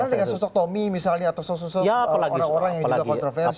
sama dengan sosok tommy misalnya atau sosok orang orang yang juga kontroversi